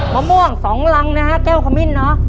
มะม่วง๒รังนะฮะแก้วขมิ้นเนอะ